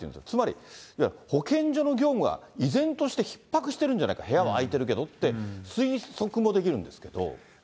つまり保健所の業務が依然としてひっ迫しているんじゃないか、部屋は空いてるけどって、推測もできるんですけど。